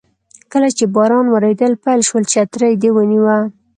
کله چې باران وریدل پیل شول چترۍ دې ونیوه.